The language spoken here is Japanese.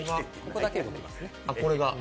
これが。